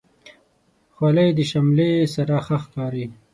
خولۍ د شملې سره ښه ښکاري.